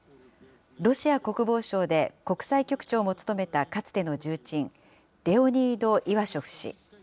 ロシア国防省で国際局長も務めたかつての重鎮、レオニード・イワショフ氏。